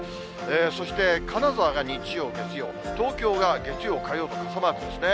そして、金沢が日曜、月曜、東京が月曜、火曜と傘マークですね。